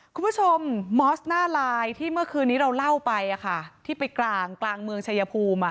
คุณผู้ชมมอสหน้าไลน์ที่เมื่อคืนนี้เราเล่าไปที่ไปกลางกลางเมืองชายภูมิ